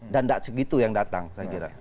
dan nggak segitu yang datang saya kira